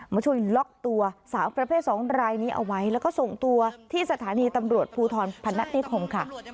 มาช่วยล็อกตัวสาวประเภท๒รายนี้เอาไว้แล้วก็ส่งตัวที่สถานีตำรวจภูทรพนัฐนิคมค่ะ